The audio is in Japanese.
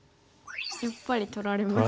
やっぱり取られますね。